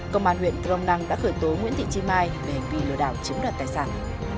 công an huyện crong năng đã khởi tố nguyễn thị chi mai về hành vi lừa đảo chiếm đoạt tài sản